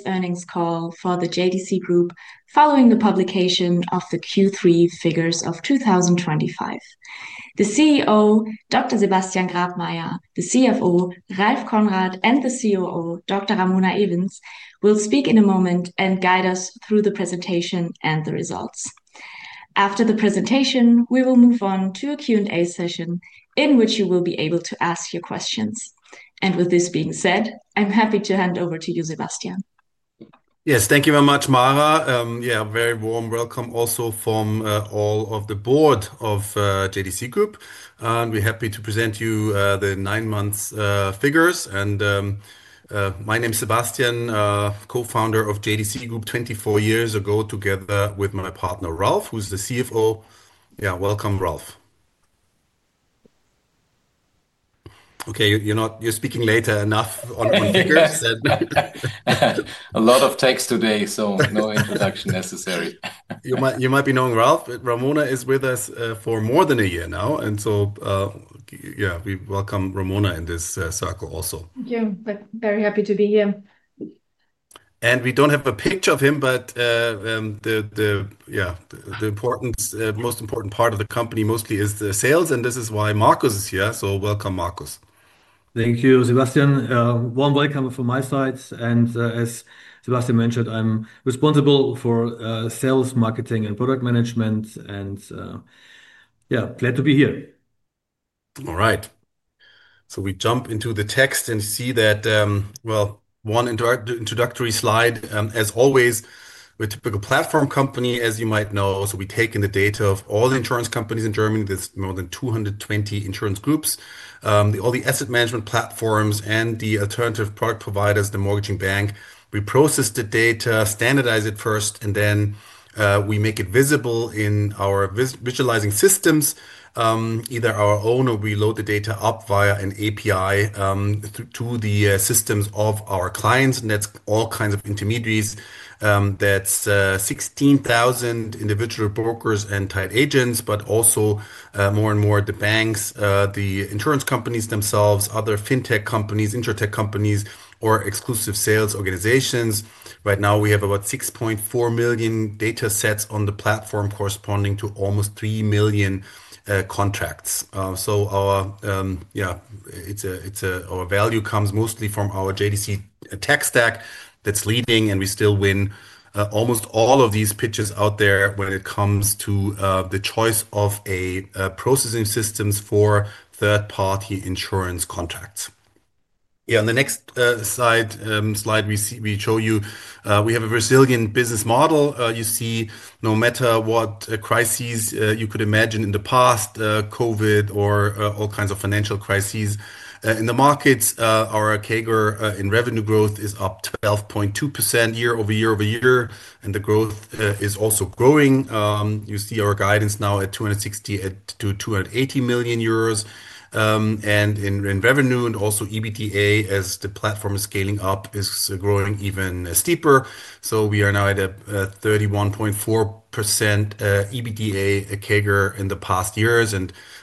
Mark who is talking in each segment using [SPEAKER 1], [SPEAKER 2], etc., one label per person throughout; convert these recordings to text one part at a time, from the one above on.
[SPEAKER 1] This earnings call for the JDC Group, following the publication of the Q3 figures of 2025. The CEO, Dr. Sebastian Grabmaier, the CFO, Ralph Konrad, and the COO, Dr. Ramona Evens, will speak in a moment and guide us through the presentation and the results. After the presentation, we will move on to a Q&A session in which you will be able to ask your questions. With this being said, I'm happy to hand over to you, Sebastian.
[SPEAKER 2] Yes, thank you very much, Mara. Yeah, very warm welcome also from all of the board of JDC Group. And we're happy to present to you the nine-month figures. My name is Sebastian, co-founder of JDC Group 24 years ago, together with my partner, Ralph, who's the CFO. Yeah, welcome, Ralph. Okay, you're not speaking later enough on figures.
[SPEAKER 3] A lot of text today, so no introduction necessary.
[SPEAKER 2] You might be knowing Ralph, but Ramona is with us for more than a year now. Yeah, we welcome Ramona in this circle also.
[SPEAKER 4] Thank you. Very happy to be here.
[SPEAKER 2] We do not have a picture of him, but the, yeah, the most important part of the company mostly is the sales. This is why Marcus is here. Welcome, Marcus.
[SPEAKER 5] Thank you, Sebastian. Warm welcome from my side. As Sebastian mentioned, I'm responsible for sales, marketing, and product management. Yeah, glad to be here.
[SPEAKER 2] All right. We jump into the text and see that, one introductory slide. As always, we're a typical platform company, as you might know. We take in the data of all the insurance companies in Germany. There's more than 220 insurance groups, all the asset management platforms, and the alternative product providers, the mortgaging bank. We process the data, standardize it first, and then we make it visible in our visualizing systems, either our own, or we load the data up via an API to the systems of our clients. That's all kinds of intermediaries. That's 16,000 individual brokers and tied agents, but also more and more the banks, the insurance companies themselves, other Fintech companies, Intertech companies, or exclusive sales organizations. Right now, we have about 6.4 million data sets on the platform, corresponding to almost 3 million contracts. Our value comes mostly from our JDC tech stack that's leading, and we still win almost all of these pitches out there when it comes to the choice of processing systems for third-party insurance contracts. On the next slide, we show you we have a Brazilian business model. You see, no matter what crises you could imagine in the past, COVID or all kinds of financial crises in the markets, our CAGR in revenue growth is up 12.2% year over year over year. The growth is also growing. You see our guidance now at 260 million-280 million euros in revenue, and also EBITDA, as the platform is scaling up, is growing even steeper. We are now at a 31.4% EBITDA CAGR in the past years.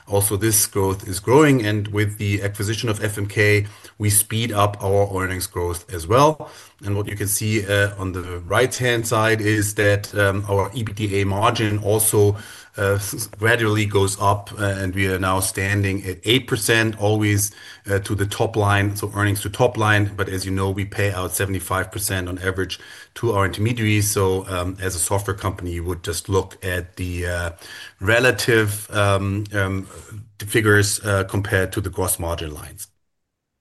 [SPEAKER 2] Also, this growth is growing. With the acquisition of FMK, we speed up our earnings growth as well. What you can see on the right-hand side is that our EBITDA margin also gradually goes up. We are now standing at 8%, always to the top line, so earnings to top line. As you know, we pay out 75% on average to our intermediaries. As a software company, you would just look at the relative figures compared to the gross margin lines.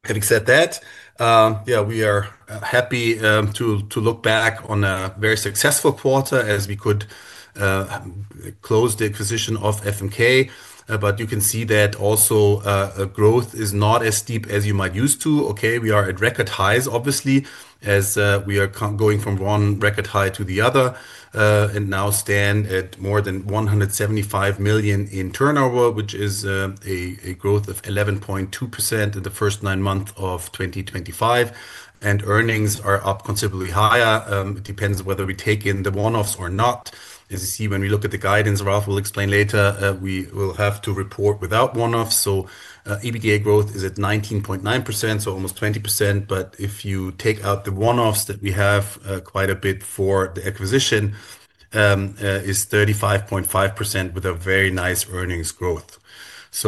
[SPEAKER 2] Having said that, yeah, we are happy to look back on a very successful quarter as we could close the acquisition of FMK. You can see that also growth is not as steep as you might use to. Okay, we are at record highs, obviously, as we are going from one record high to the other. We now stand at more than 175 million in turnover, which is a growth of 11.2% in the first nine months of 2025. Earnings are up considerably higher. It depends whether we take in the one-offs or not. As you see, when we look at the guidance, Ralph will explain later, we will have to report without one-offs. EBITDA growth is at 19.9%, so almost 20%. If you take out the one-offs that we have quite a bit for the acquisition, it is 35.5% with a very nice earnings growth. If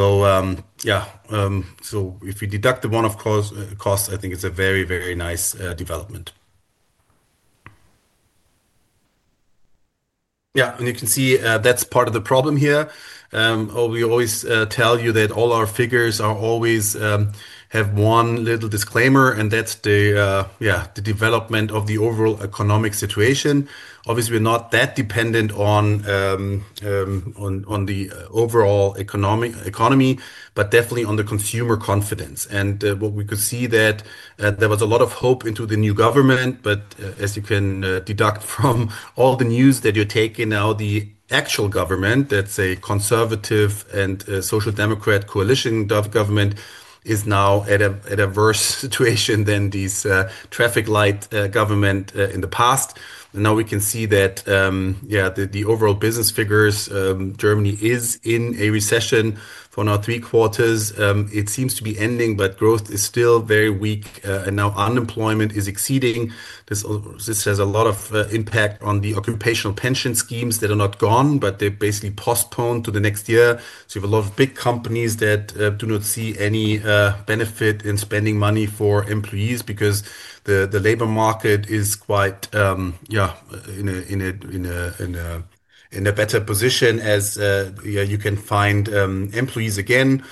[SPEAKER 2] we deduct the one-off costs, I think it is a very, very nice development. You can see that is part of the problem here. We always tell you that all our figures always have one little disclaimer, and that is the development of the overall economic situation. Obviously, we're not that dependent on the overall economy, but definitely on the consumer confidence. What we could see is that there was a lot of hope into the new government, but as you can deduct from all the news that you're taking now, the actual government, that's a conservative and social democrat coalition government, is now at a worse situation than this traffic light government in the past. We can see that, yeah, the overall business figures, Germany is in a recession for now three quarters. It seems to be ending, but growth is still very weak. Now unemployment is exceeding. This has a lot of impact on the occupational pension schemes that are not gone, but they're basically postponed to the next year. You have a lot of big companies that do not see any benefit in spending money for employees because the labor market is quite, yeah, in a better position as you can find employees again.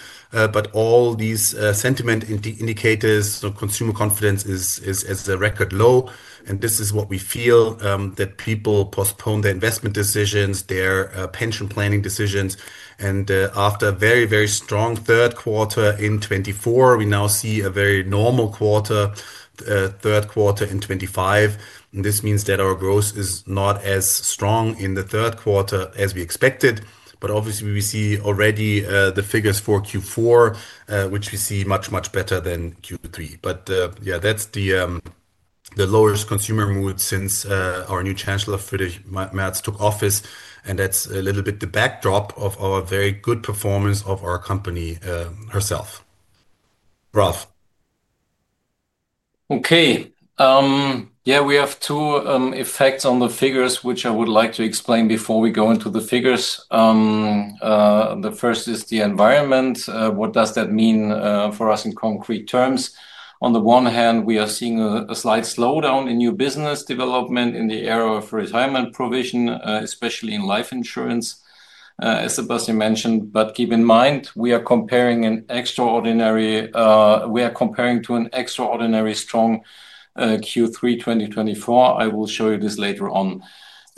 [SPEAKER 2] All these sentiment indicators, consumer confidence is at a record low. This is what we feel, that people postpone their investment decisions, their pension planning decisions. After a very, very strong third quarter in 2024, we now see a very normal quarter, third quarter in 2025. This means that our growth is not as strong in the third quarter as we expected. Obviously, we see already the figures for Q4, which we see much, much better than Q3. Yeah, that's the lowest consumer mood since our new chancellor, Friedrich Merz, took office. That's a little bit the backdrop of our very good performance of our company herself. Ralph.
[SPEAKER 3] Okay. Yeah, we have two effects on the figures, which I would like to explain before we go into the figures. The first is the environment. What does that mean for us in concrete terms? On the one hand, we are seeing a slight slowdown in new business development in the area of retirement provision, especially in life insurance, as Sebastian mentioned. But keep in mind, we are comparing to an extraordinarily strong Q3 2024. I will show you this later on.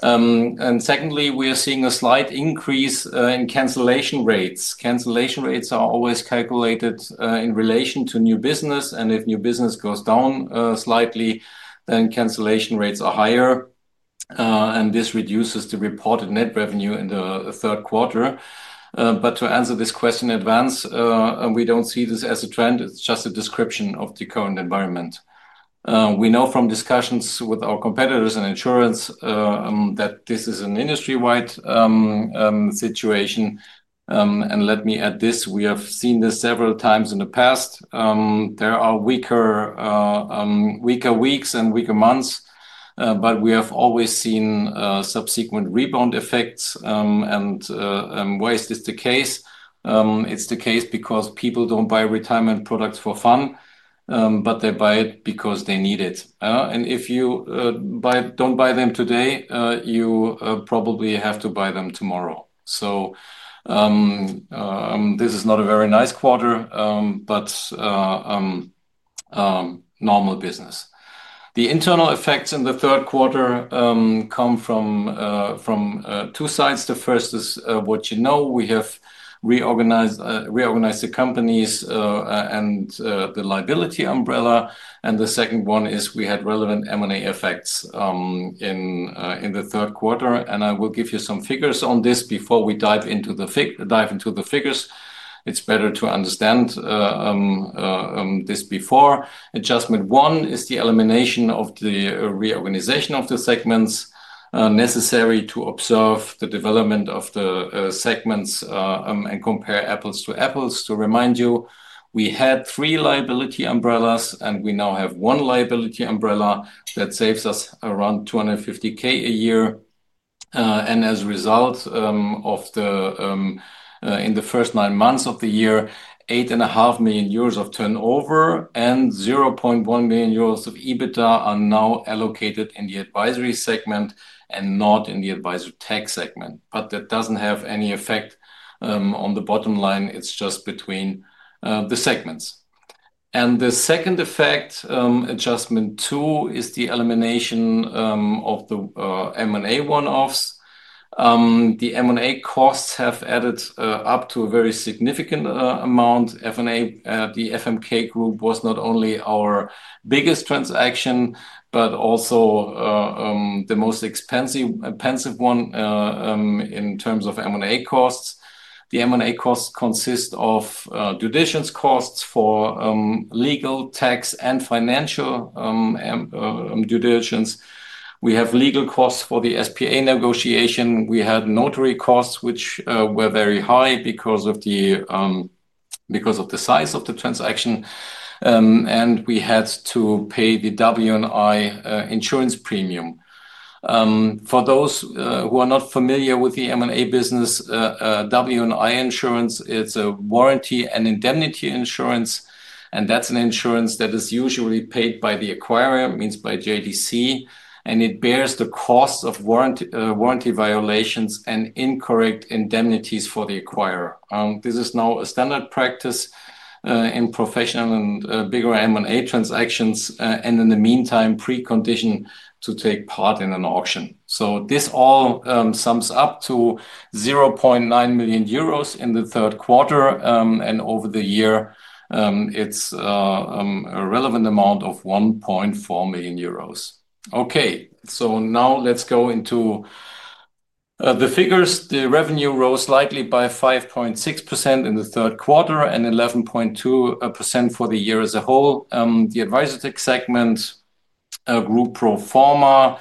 [SPEAKER 3] Secondly, we are seeing a slight increase in cancellation rates. Cancellation rates are always calculated in relation to new business. If new business goes down slightly, then cancellation rates are higher. This reduces the reported net revenue in the third quarter. To answer this question in advance, we do not see this as a trend. It's just a description of the current environment. We know from discussions with our competitors in insurance that this is an industry-wide situation. Let me add this, we have seen this several times in the past. There are weaker weeks and weaker months, but we have always seen subsequent rebound effects. Why is this the case? It's the case because people don't buy retirement products for fun, but they buy it because they need it. If you don't buy them today, you probably have to buy them tomorrow. This is not a very nice quarter, but normal business. The internal effects in the third quarter come from two sides. The first is what you know. We have reorganized the companies and the liability umbrella. The second one is we had relevant M&A effects in the third quarter. I will give you some figures on this before we dive into the figures. It is better to understand this before. Adjustment one is the elimination of the reorganization of the segments necessary to observe the development of the segments and compare apples to apples. To remind you, we had three liability umbrellas, and we now have one liability umbrella that saves us around 250,000 a year. As a result, in the first nine months of the year, 8,500,000 euros of turnover and 100,000 euros of EBITDA are now allocated in the advisory segment and not in the Advisortech segment. That does not have any effect on the bottom line. It is just between the segments. The second effect, adjustment two, is the elimination of the M&A one-offs. The M&A costs have added up to a very significant amount. The FMK Group was not only our biggest transaction, but also the most expensive one in terms of M&A costs. The M&A costs consist of due diligence costs for legal, tax, and financial due diligence. We have legal costs for the SPA negotiation. We had notary costs, which were very high because of the size of the transaction. We had to pay the W&I insurance premium. For those who are not familiar with the M&A business, W&I insurance, it is a warranty and indemnity insurance. That is an insurance that is usually paid by the acquirer, means by JDC. It bears the cost of warranty violations and incorrect indemnities for the acquirer. This is now a standard practice in professional and bigger M&A transactions. In the meantime, it is a precondition to take part in an auction. This all sums up to 0.9 million euros in the third quarter. Over the year, it's a relevant amount of 1.4 million euros. Okay, now let's go into the figures. The revenue rose slightly by 5.6% in the third quarter and 11.2% for the year as a whole. The Advisortech segment, Group Pro Forma,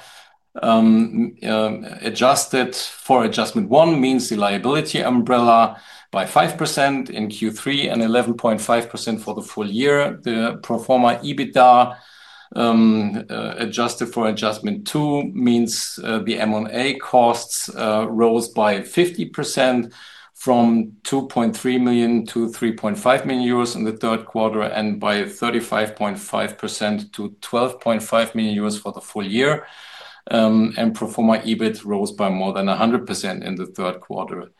[SPEAKER 3] adjusted for adjustment one means the liability umbrella by 5% in Q3 and 11.5% for the full year. The Pro Forma EBITDA adjusted for adjustment two means the M&A costs rose by 50% from 2.3 million to 3.5 million euros in the third quarter and by 35.5% to 12.5 million euros for the full year. Pro Forma EBIT rose by more than 100% in the third quarter.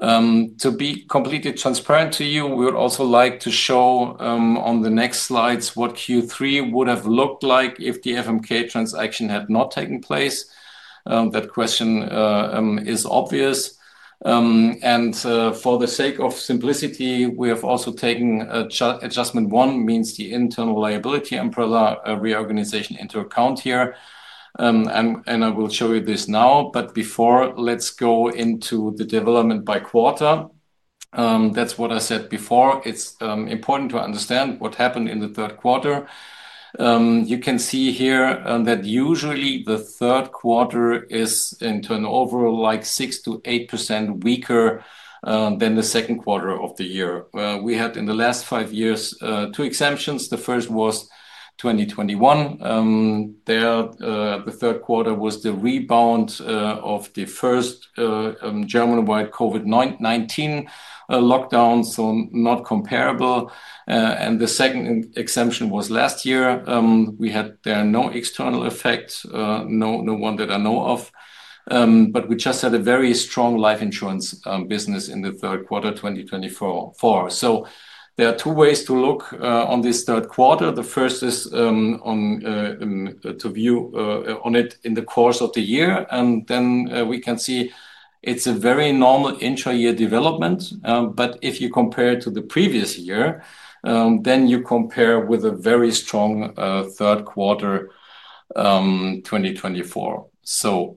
[SPEAKER 3] To be completely transparent to you, we would also like to show on the next slides what Q3 would have looked like if the FMK transaction had not taken place. That question is obvious. For the sake of simplicity, we have also taken adjustment one, meaning the internal liability umbrella reorganization, into account here. I will show you this now. Before that, let's go into the development by quarter. That is what I said before. It is important to understand what happened in the third quarter. You can see here that usually the third quarter is in turnover like 6%-8% weaker than the second quarter of the year. We had in the last five years two exceptions. The first was 2021. The third quarter was the rebound of the first Germany-wide COVID-19 lockdown, so not comparable. The second exception was last year. There were no external effects, no one that I know of. We just had a very strong life insurance business in the third quarter 2024. There are two ways to look at this third quarter. The first is to view on it in the course of the year. And then we can see it's a very normal intra-year development. If you compare it to the previous year, then you compare with a very strong third quarter 2024.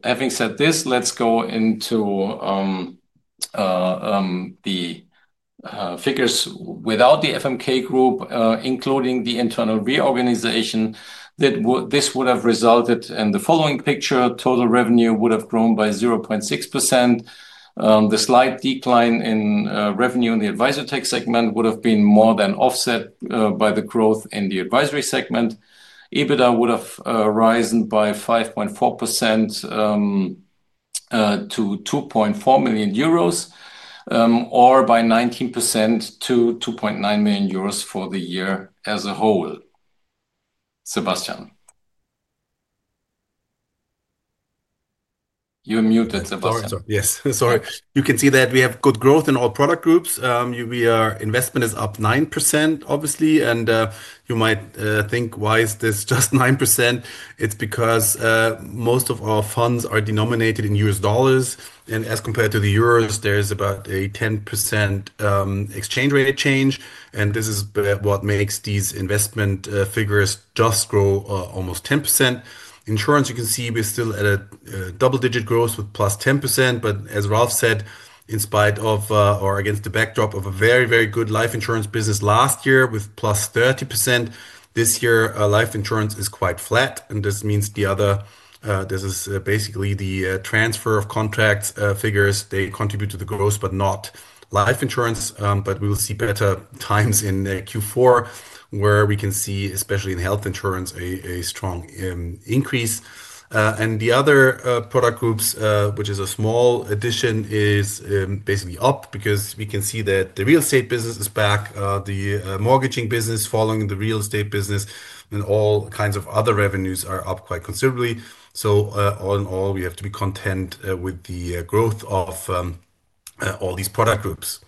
[SPEAKER 3] Having said this, let's go into the figures. Without the FMK Group, including the internal reorganization, this would have resulted in the following picture. Total revenue would have grown by 0.6%. The slight decline in revenue in the Advisortech segment would have been more than offset by the growth in the advisory segment. EBITDA would have risen by 5.4% to 2.4 million euros or by 19% to 2.9 million euros for the year as a whole. Sebastian. You're muted, Sebastian.
[SPEAKER 2] Sorry. Yes, sorry. You can see that we have good growth in all product groups. Investment is up 9%, obviously. You might think, why is this just 9%? It is because most of our funds are denominated in U.S. dollars. As compared to the Euros, there is about a 10% exchange rate change. This is what makes these investment figures just grow almost 10%. Insurance, you can see we are still at a double-digit growth with plus 10%. As Ralph said, in spite of or against the backdrop of a very, very good life insurance business last year with plus 30%, this year life insurance is quite flat. This means the other, this is basically the transfer of contract figures. They contribute to the growth, but not life insurance. We will see better times in Q4, where we can see, especially in health insurance, a strong increase. The other product groups, which is a small addition, are basically up because we can see that the real estate business is back, the mortgaging business following the real estate business, and all kinds of other revenues are up quite considerably. All in all, we have to be content with the growth of all these product groups.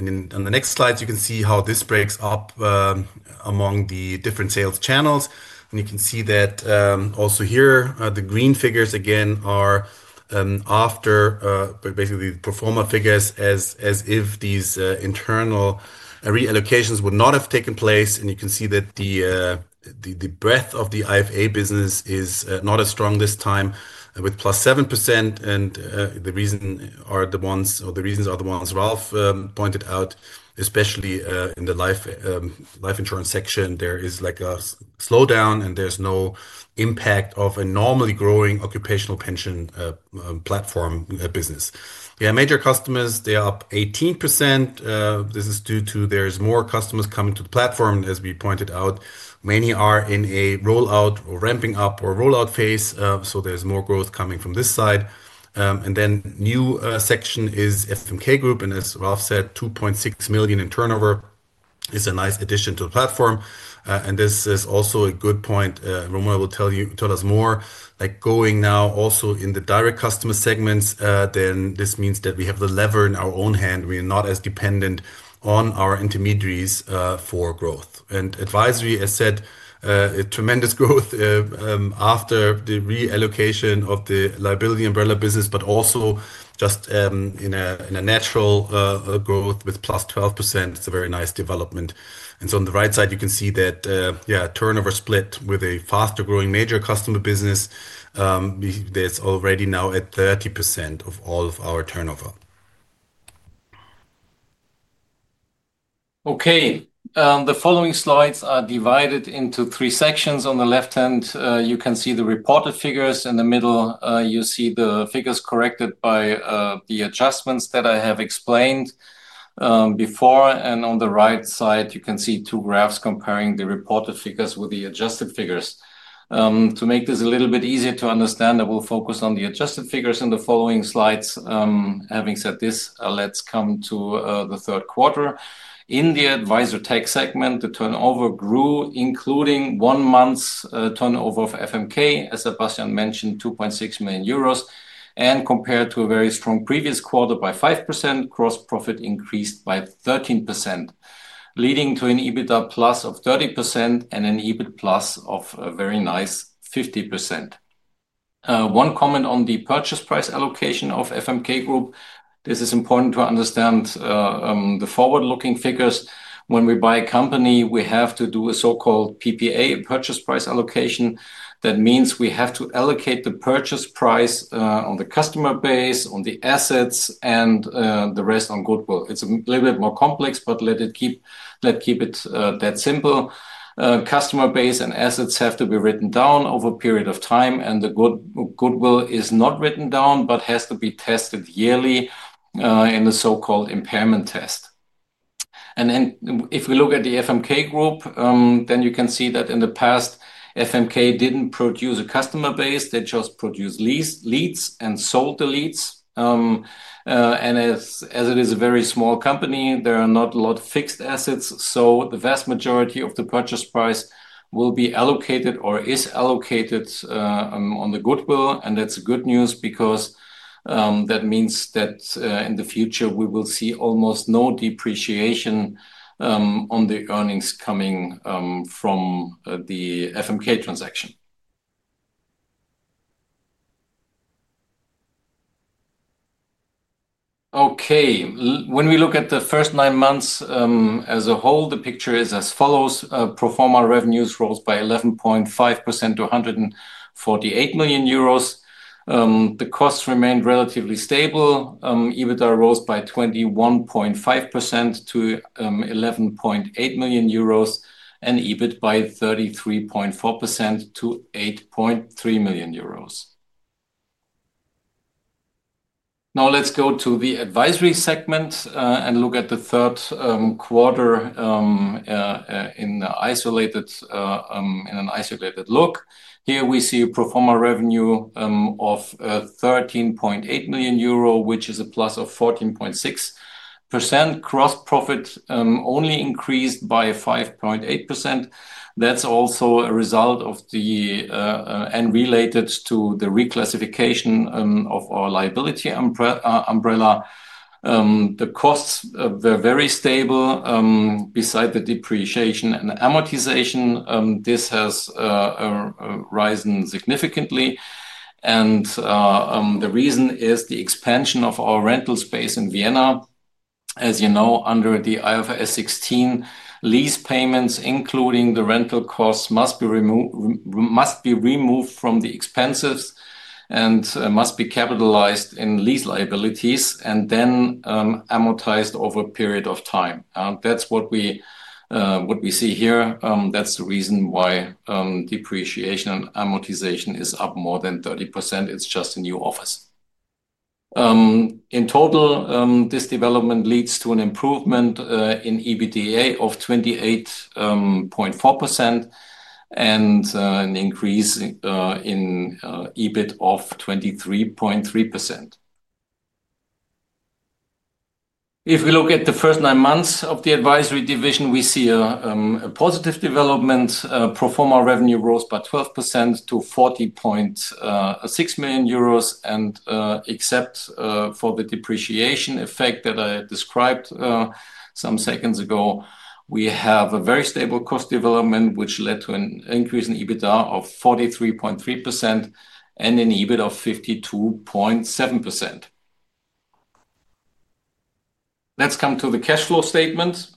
[SPEAKER 2] On the next slides, you can see how this breaks up among the different sales channels. You can see that also here, the green figures again are after basically the Pro Forma figures as if these internal reallocations would not have taken place. You can see that the breadth of the IFA business is not as strong this time with plus 7%. The reason are the ones or the reasons are the ones Ralph pointed out, especially in the life insurance section. There is like a slowdown, and there is no impact of a normally growing occupational pension platform business. Yeah, major customers, they are up 18%. This is due to there are more customers coming to the platform, as we pointed out. Many are in a rollout or ramping up or rollout phase. There is more growth coming from this side. The new section is FMK Group. As Ralph said, 2.6 million in turnover is a nice addition to the platform. This is also a good point. Ramona will tell us more. Like going now also in the direct customer segments, this means that we have the lever in our own hand. We are not as dependent on our intermediaries for growth. Advisory, as said, tremendous growth after the reallocation of the liability umbrella business, but also just in a natural growth with plus 12%. It is a very nice development. On the right side, you can see that, yeah, turnover split with a faster growing major customer business. There is already now at 30% of all of our turnover.
[SPEAKER 3] Okay. The following slides are divided into three sections. On the left hand, you can see the reported figures. In the middle, you see the figures corrected by the adjustments that I have explained before. On the right side, you can see two graphs comparing the reported figures with the adjusted figures. To make this a little bit easier to understand, I will focus on the adjusted figures in the following slides. Having said this, let's come to the third quarter. In the Advisortech segment, the turnover grew, including one month's turnover of FMK, as Sebastian mentioned, 2.6 million euros, and compared to a very strong previous quarter by 5%. Gross profit increased by 13%, leading to an EBITDA plus of 30% and an EBIT plus of a very nice 50%. One comment on the purchase price allocation of FMK Group. This is important to understand the forward-looking figures. When we buy a company, we have to do a so-called PPA, purchase price allocation. That means we have to allocate the purchase price on the customer base, on the assets, and the rest on goodwill. It is a little bit more complex, but let's keep it that simple. Customer base and assets have to be written down over a period of time. The goodwill is not written down, but has to be tested yearly in the so-called impairment test. If we look at the FMK Group, then you can see that in the past, FMK did not produce a customer base. They just produced leads and sold the leads. As it is a very small company, there are not a lot of fixed assets. The vast majority of the purchase price will be allocated or is allocated on the goodwill. That is good news because that means that in the future, we will see almost no depreciation on the earnings coming from the FMK transaction. Okay. When we look at the first nine months as a whole, the picture is as follows. Pro Forma revenues rose by 11.5% to 148 million euros. The costs remained relatively stable. EBITDA rose by 21.5% to 11.8 million euros and EBIT by 33.4% to 8.3 million euros. Now let's go to the advisory segment and look at the third quarter in an isolated look. Here we see Pro Forma revenue of 13.8 million euro, which is a plus of 14.6%. Gross profit only increased by 5.8%. That is also a result of the and related to the reclassification of our liability umbrella. The costs were very stable. Beside the depreciation and amortization, this has risen significantly. The reason is the expansion of our rental space in Vienna. As you know, under IFRS 16, lease payments, including the rental costs, must be removed from the expenses and must be capitalized in lease liabilities and then amortized over a period of time. That's what we see here. That's the reason why depreciation and amortization is up more than 30%. It's just a new office. In total, this development leads to an improvement in EBITDA of 28.4% and an increase in EBIT of 23.3%. If we look at the first nine months of the advisory division, we see a positive development. Pro Forma revenue rose by 12% to 40.6 million euros. Except for the depreciation effect that I described some seconds ago, we have a very stable cost development, which led to an increase in EBITDA of 43.3% and an EBIT of 52.7%. Let's come to the cash flow statement.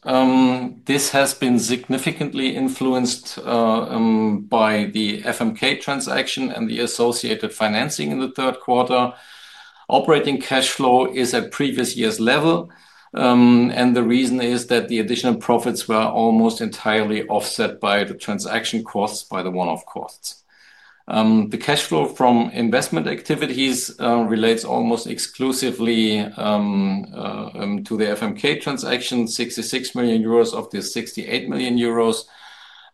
[SPEAKER 3] This has been significantly influenced by the FMK transaction and the associated financing in the third quarter. Operating cash flow is at previous year's level. The reason is that the additional profits were almost entirely offset by the transaction costs, by the one-off costs. The cash flow from investment activities relates almost exclusively to the FMK transaction, 66 million euros of the 68 million euros.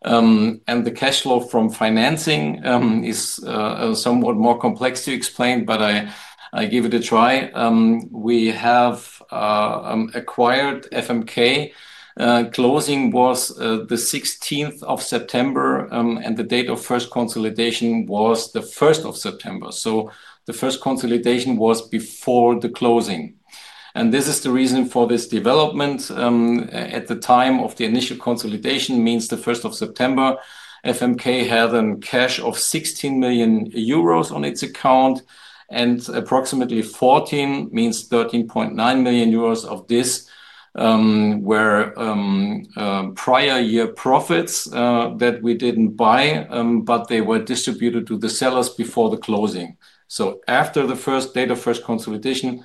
[SPEAKER 3] The cash flow from financing is somewhat more complex to explain, but I give it a try. We have acquired FMK. Closing was the 16th of September, and the date of first consolidation was the 1st of September. The first consolidation was before the closing. This is the reason for this development. At the time of the initial consolidation, which means the 1st of September, FMK had a cash of 16 million euros on its account. Approximately 14 million, meaning 13.9 million euros of this, were prior year profits that we did not buy, but they were distributed to the sellers before the closing. After the date of first consolidation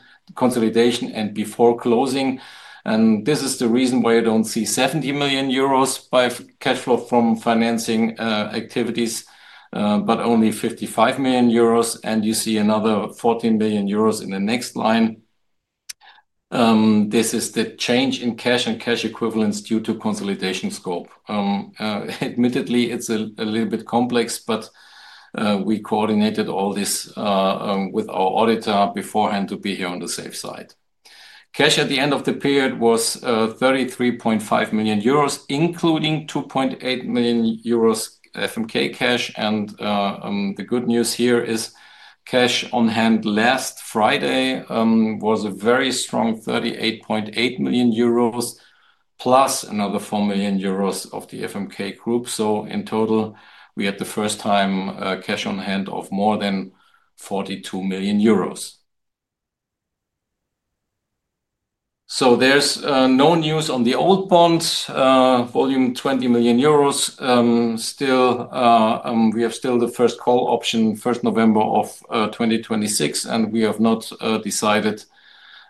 [SPEAKER 3] and before closing, this is the reason why you do not see 70 million euros by cash flow from financing activities, but only 55 million euros. You see another 14 million euros in the next line. This is the change in cash and cash equivalents due to consolidation scope. Admittedly, it is a little bit complex, but we coordinated all this with our auditor beforehand to be here on the safe side. Cash at the end of the period was 33.5 million euros, including 2.8 million euros FMK cash. The good news here is cash on hand last Friday was a very strong 38.8 million euros, plus another 4 million euros of the FMK Group. In total, we had for the first time cash on hand of more than 42 million euros. There is no news on the old bonds, volume 20 million euros. We still have the first call option 1st November of 2026, and we have not decided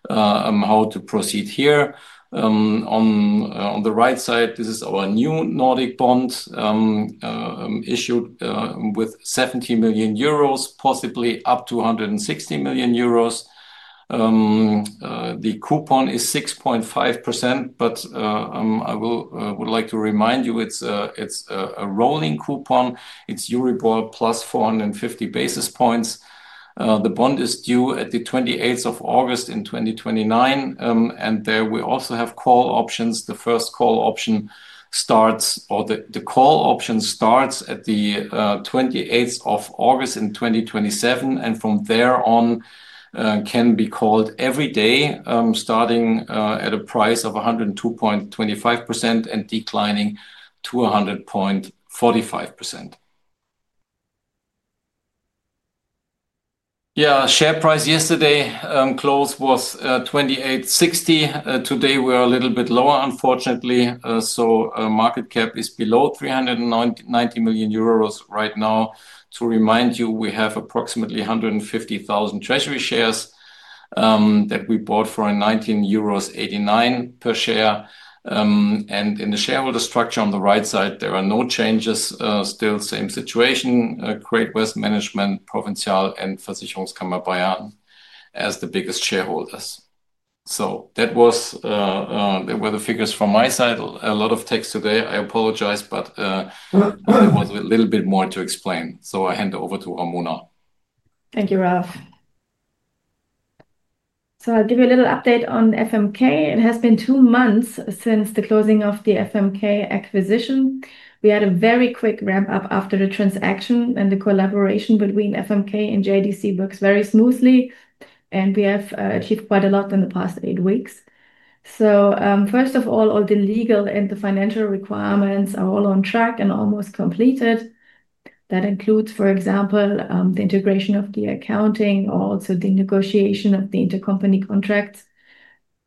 [SPEAKER 3] how to proceed here. On the right side, this is our new Nordic bond issued with 70 million euros, possibly up to 160 million euros. The coupon is 6.5%, but I would like to remind you it is a rolling coupon. It is Euribor plus 450 basis points. The bond is due at the 28th of August in 2029. There we also have call options. The first call option starts or the call option starts at the 28th of August in 2027. From there on, can be called every day starting at a price of 102.25% and declining to 100.45%. Yeah, share price yesterday close was 28.60. Today we are a little bit lower, unfortunately. Market cap is below 390 million euros right now. To remind you, we have approximately 150,000 treasury shares that we bought for 19.89 euros per share. In the shareholder structure on the right side, there are no changes. Still same situation, Great West Management, Provincial, and Versicherungskammer Bayern as the biggest shareholders. That was the figures from my side. A lot of text today. I apologize, but there was a little bit more to explain. I hand over to Ramona.
[SPEAKER 4] Thank you, Ralph. I'll give you a little update on FMK. It has been two months since the closing of the FMK acquisition. We had a very quick ramp up after the transaction, and the collaboration between FMK and JDC works very smoothly, and we have achieved quite a lot in the past eight weeks. First of all, all the legal and the financial requirements are all on track and almost completed. That includes, for example, the integration of the accounting, also the negotiation of the Intercompany contracts,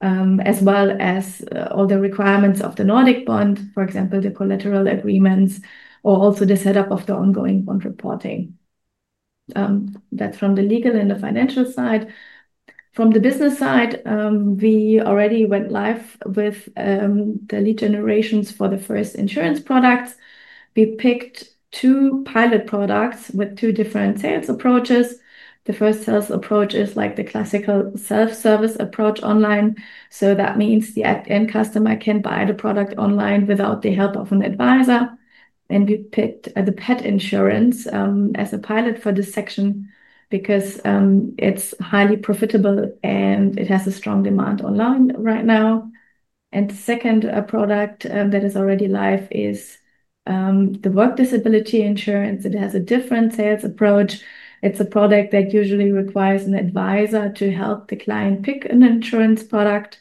[SPEAKER 4] as well as all the requirements of the Nordic bond, for example, the collateral agreements, or also the setup of the ongoing bond reporting. That is from the legal and the financial side. From the business side, we already went live with the lead generations for the first insurance products. We picked two pilot products with two different sales approaches. The first sales approach is like the classical self-service approach online. That means the end customer can buy the product online without the help of an advisor. We picked the pet insurance as a pilot for this section because it's highly profitable and it has a strong demand online right now. The second product that is already live is the work disability insurance. It has a different sales approach. It's a product that usually requires an advisor to help the client pick an insurance product.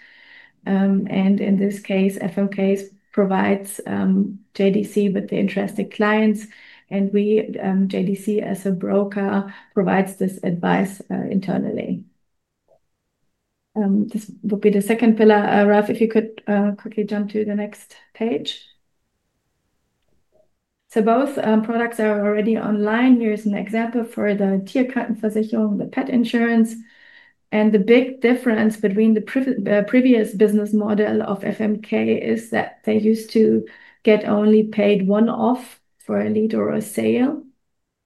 [SPEAKER 4] In this case, FMK provides JDC with the interested clients. JDC, as a broker, provides this advice internally. This would be the second pillar. Ralph, if you could quickly jump to the next page. Both products are already online. Here's an example for the tierkartenversicherung, the pet insurance. The big difference between the previous business model of FMK is that they used to get only paid one-off for a lead or a sale.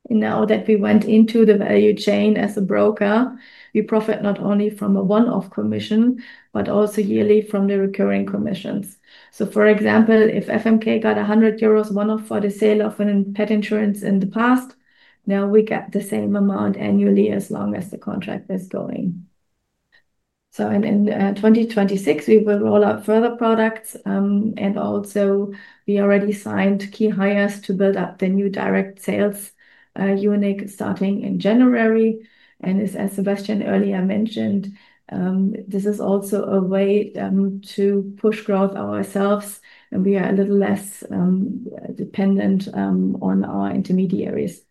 [SPEAKER 4] Now that we went into the value chain as a broker, we profit not only from a one-off commission, but also yearly from the recurring commissions. For example, if FMK got 100 euros one-off for the sale of a pet insurance in the past, now we get the same amount annually as long as the contract is going. In 2026, we will roll out further products. We already signed key hires to build up the new direct sales unit starting in January. As Sebastian earlier mentioned, this is also a way to push growth ourselves. We are a little less dependent on our intermediaries.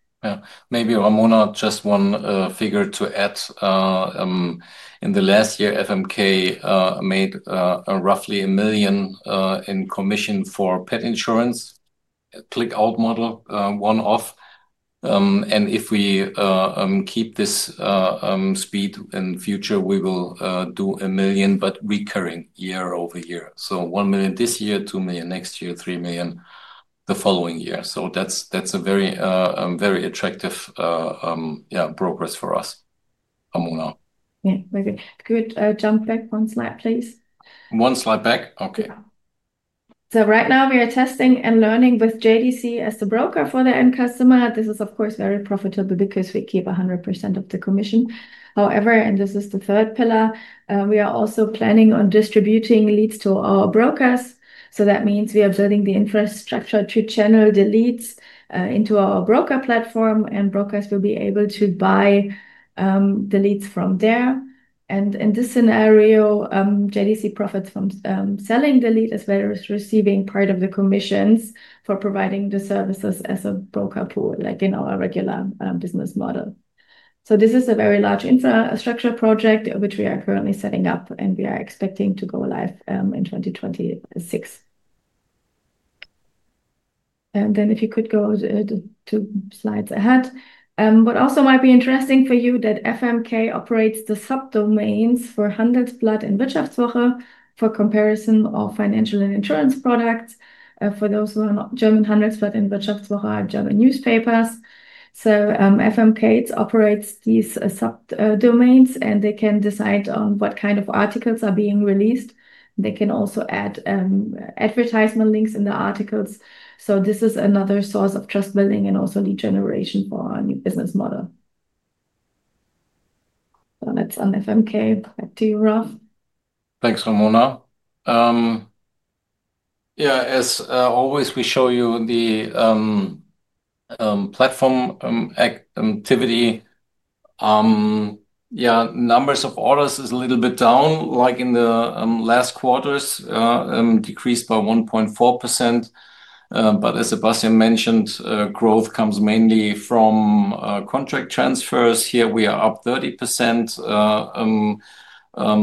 [SPEAKER 3] Maybe Ramona, just one figure to add. In the last year, FMK made roughly 1 million in commission for pet insurance, click-out model, one-off. If we keep this speed in the future, we will do 1 million, but recurring year over year. 1 million this year, 2 million next year, 3 million the following year. That is a very attractive progress for us.
[SPEAKER 4] Yeah. Could you jump back one slide, please?
[SPEAKER 3] One slide back. Okay.
[SPEAKER 4] Right now we are testing and learning with JDC as the broker for the end customer. This is, of course, very profitable because we keep 100% of the commission. However, and this is the third pillar, we are also planning on distributing leads to our brokers. That means we are building the infrastructure to channel the leads into our broker platform, and brokers will be able to buy the leads from there. In this scenario, JDC profits from selling the lead as well as receiving part of the commissions for providing the services as a broker pool, like in our regular business model. This is a very large infrastructure project, which we are currently setting up, and we are expecting to go live in 2026. If you could go two slides ahead. What also might be interesting for you is that FMK operates the subdomains for Handelsblatt and Wirtschaftswoche for comparison of financial and insurance products. For those who are not German, Handelsblatt and Wirtschaftswoche are German newspapers. FMK operates these subdomains, and they can decide on what kind of articles are being released. They can also add advertisement links in the articles. This is another source of trust building and also lead generation for our new business model. That's on FMK. Back to you, Ralph.
[SPEAKER 3] Thanks, Ramona. Yeah, as always, we show you the platform activity. Yeah, numbers of orders is a little bit down, like in the last quarters, decreased by 1.4%. As Sebastian mentioned, growth comes mainly from contract transfers. Here we are up 30%,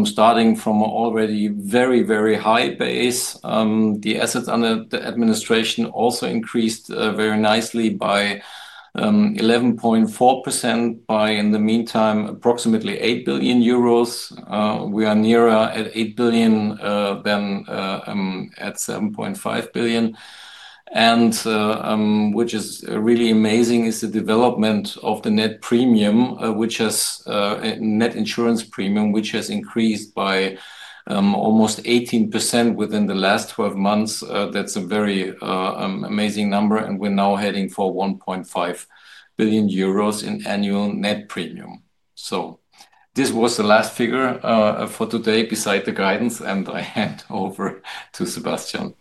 [SPEAKER 3] starting from an already very, very high base. The assets under administration also increased very nicely by 11.4%, by in the meantime, approximately 8 billion euros. We are nearer at 8 billion than at 7.5 billion. What is really amazing is the development of the net premium, which has net insurance premium, which has increased by almost 18% within the last 12 months. That's a very amazing number. We are now heading for 1.5 billion euros in annual net premium. This was the last figure for today beside the guidance, and I hand over to Sebastian.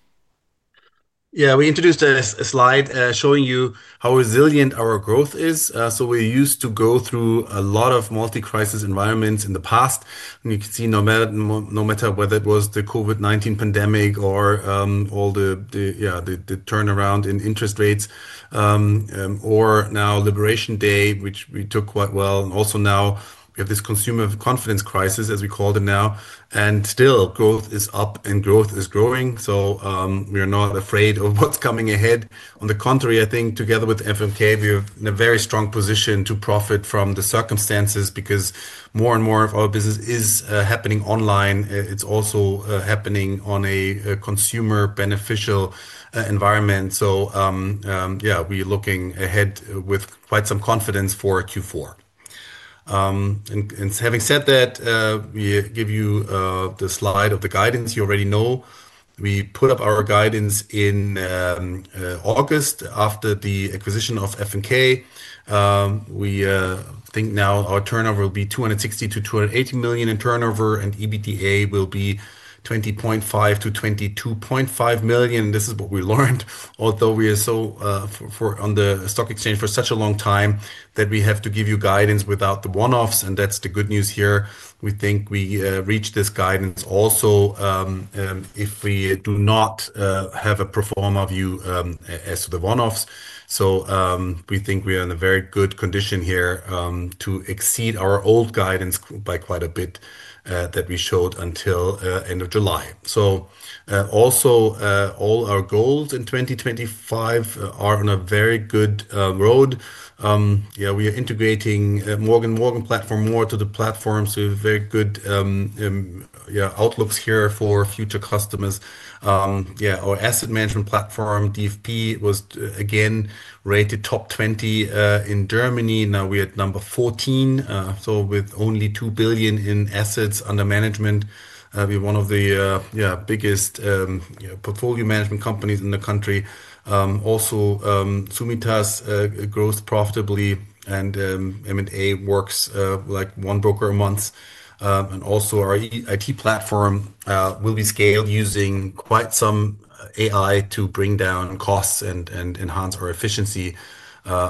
[SPEAKER 2] Yeah, we introduced a slide showing you how resilient our growth is. We used to go through a lot of multi-crisis environments in the past. You can see no matter whether it was the COVID-19 pandemic or all the turnaround in interest rates or now Liberation Day, which we took quite well. We have this consumer confidence crisis, as we call it now. Still, growth is up and growth is growing. We are not afraid of what's coming ahead. On the contrary, I think together with FMK, we are in a very strong position to profit from the circumstances because more and more of our business is happening online. It's also happening on a consumer-beneficial environment. Yeah, we are looking ahead with quite some confidence for Q4. Having said that, we give you the slide of the guidance you already know. We put up our guidance in August after the acquisition of FMK. We think now our turnover will be 260 million-280 million in turnover, and EBITDA will be 20.5 million-22.5 million. This is what we learned, although we are so on the stock exchange for such a long time that we have to give you guidance without the one-offs. That's the good news here. We think we reach this guidance also if we do not have a pro forma view as to the one-offs. We think we are in a very good condition here to exceed our old guidance by quite a bit that we showed until end of July. Also all our goals in 2025 are on a very good road. Yeah, we are integrating M&M platform more to the platform. We have very good outlooks here for future customers. Yeah, our asset management platform, DFP, was again rated top 20 in Germany. Now we are at number 14. With only 2 billion in assets under management, we are one of the biggest portfolio management companies in the country. Also, Sumitas grows profitably and M&A works like one broker a month. Our IT platform will be scaled using quite some AI to bring down costs and enhance our efficiency.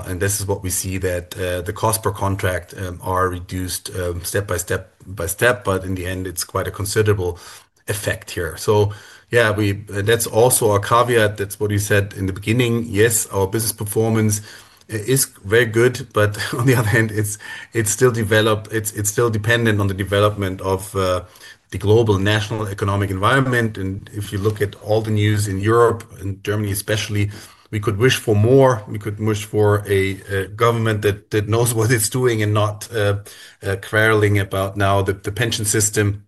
[SPEAKER 2] This is what we see, that the cost per contract are reduced step by step by step, but in the end, it is quite a considerable effect here. Yeah, that is also our caveat. That is what you said in the beginning. Yes, our business performance is very good, but on the other hand, it is still developed. It is still dependent on the development of the global national economic environment. If you look at all the news in Europe and Germany especially, we could wish for more. We could wish for a government that knows what it's doing and not quarreling about now the pension system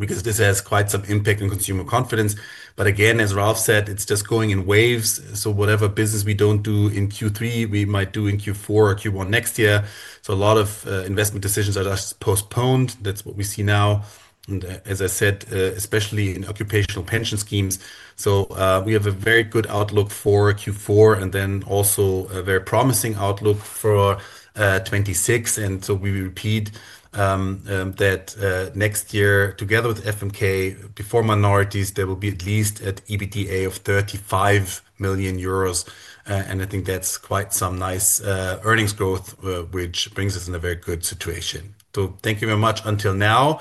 [SPEAKER 2] because this has quite some impact on consumer confidence. Again, as Ralph said, it's just going in waves. Whatever business we don't do in Q3, we might do in Q4 or Q1 next year. A lot of investment decisions are just postponed. That's what we see now. As I said, especially in occupational pension schemes. We have a very good outlook for Q4 and then also a very promising outlook for 2026. We repeat that next year together with FMK, before minorities, there will be at least an EBITDA of 35 million euros. I think that's quite some nice earnings growth, which brings us in a very good situation. Thank you very much until now.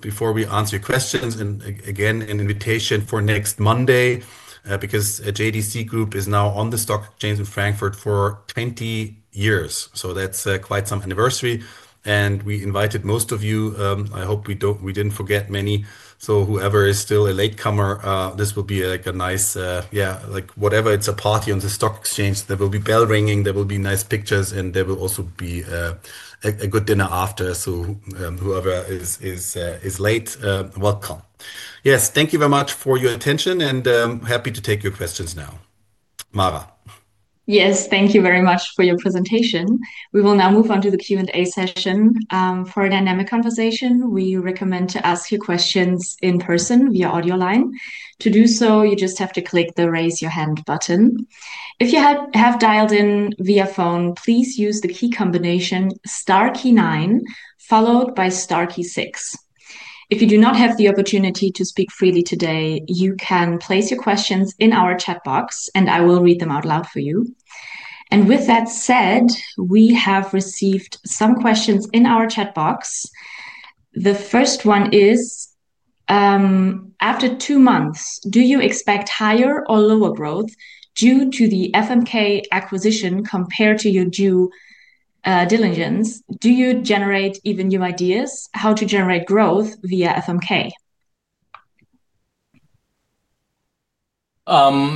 [SPEAKER 2] Before we answer your questions, again, an invitation for next Monday because JDC Group is now on the stock exchange in Frankfurt for 20 years. That's quite some anniversary. We invited most of you. I hope we didn't forget many. Whoever is still a latecomer, this will be like a nice, yeah, like whatever, it's a party on the stock exchange. There will be bell ringing, there will be nice pictures, and there will also be a good dinner after. Whoever is late, welcome. Yes, thank you very much for your attention and happy to take your questions now. Mara.
[SPEAKER 1] Yes, thank you very much for your presentation. We will now move on to the Q&A session. For a dynamic conversation, we recommend to ask your questions in person via audio line. To do so, you just have to click the raise your hand button. If you have dialed in via phone, please use the key combination star key 9 followed by star key 6. If you do not have the opportunity to speak freely today, you can place your questions in our chat box and I will read them out loud for you. With that said, we have received some questions in our chat box. The first one is, after two months, do you expect higher or lower growth due to the FMK acquisition compared to your due diligence? Do you generate even new ideas? How to generate growth via FMK?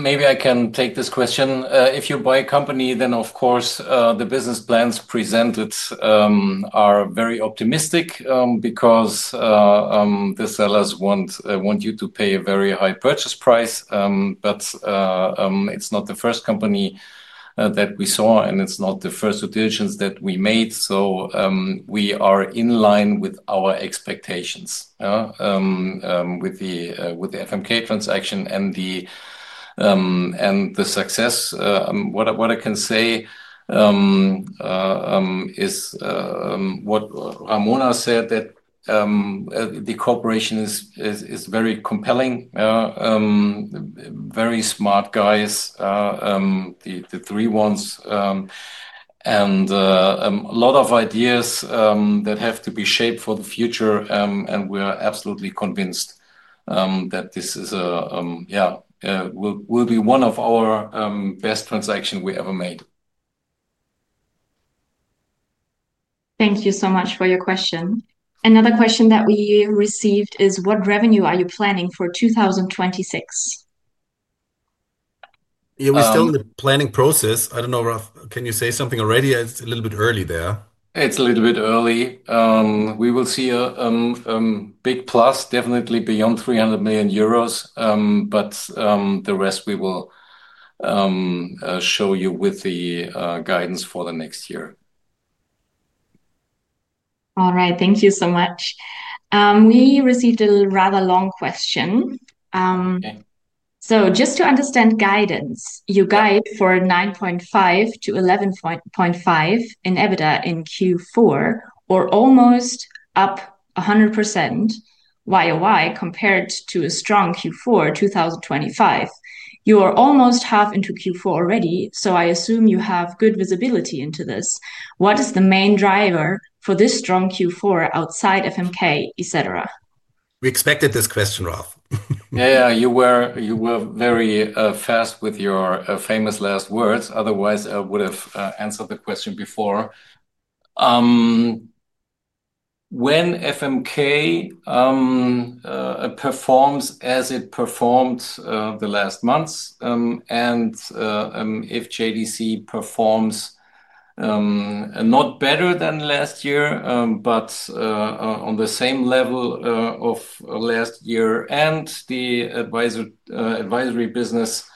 [SPEAKER 3] Maybe I can take this question. If you buy a company, then of course the business plans presented are very optimistic because the sellers want you to pay a very high purchase price. It is not the first company that we saw and it is not the first due diligence that we made. We are in line with our expectations with the FMK transaction and the success. What I can say is what Ramona said, that the cooperation is very compelling, very smart guys, the three ones. A lot of ideas that have to be shaped for the future. We are absolutely convinced that this is, yeah, will be one of our best transactions we ever made.
[SPEAKER 1] Thank you so much for your question. Another question that we received is, what revenue are you planning for 2026?
[SPEAKER 2] Yeah, we're still in the planning process. I don't know, Ralph, can you say something already? It's a little bit early there.
[SPEAKER 3] It's a little bit early. We will see a big plus, definitely beyond 300 million euros. The rest we will show you with the guidance for the next year.
[SPEAKER 1] All right, thank you so much. We received a rather long question. Just to understand guidance, you guide for 9.5 million-11.5 million in EBITDA in Q4 or almost up 100% YOY compared to a strong Q4 2025. You are almost half into Q4 already, so I assume you have good visibility into this. What is the main driver for this strong Q4 outside FMK, etc.?
[SPEAKER 2] We expected this question, Ralph.
[SPEAKER 3] Yeah, yeah, you were very fast with your famous last words. Otherwise, I would have answered the question before. When FMK performs as it performed the last months and if JDC performs not better than last year, but on the same level of last year and the advisory business